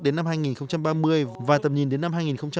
đến năm hai nghìn ba mươi và tầm nhìn đến năm hai nghìn bốn mươi năm